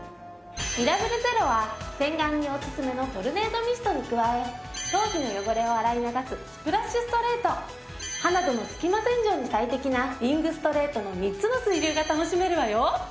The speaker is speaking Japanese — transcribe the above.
ミラブルｚｅｒｏは洗顔にオススメのトルネードミストに加え頭皮の汚れを洗い流すスプラッシュストレート歯などの隙間洗浄に最適なリングストレートの３つの水流が楽しめるわよ。